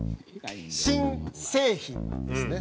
「新製品」ですね。